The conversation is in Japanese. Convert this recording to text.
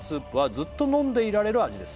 「ずっと飲んでいられる味です」